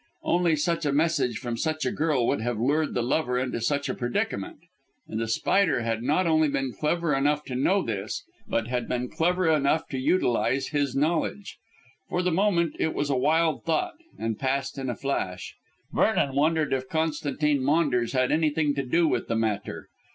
Only such a message from such a girl would have lured the lover into such a predicament, and The Spider had not only been clever enough to know this, but had been clever enough to utilize his knowledge. For the moment it was a wild thought, and passed in a flash Vernon wondered if Constantine Maunders had anything to do with the matter.